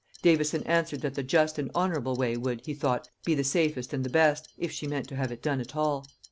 Davison answered, that the just and honorable way would, he thought, be the safest and the best, if she meant to have it done at all.